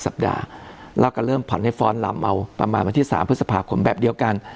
เราก็เริ่มผ่อนให้ฟ้อนลำเอาประมาณวันที่๓พฤษภาคมแบบเดียวกัน